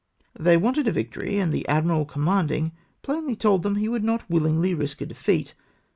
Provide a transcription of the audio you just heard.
They wanted a victory, and the admiral commanding plainly told them he would not wilhngly risk a defeat.